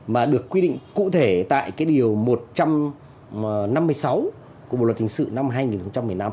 mà được quy định cụ thể tại cái điều một trăm năm mươi sáu của bộ luật hình sự năm hai nghìn một mươi năm